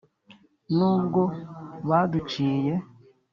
n’ubwo baduciye